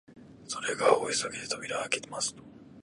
それから大急ぎで扉をあけますと、